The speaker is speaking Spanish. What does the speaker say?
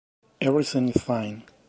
Everything Is Fine.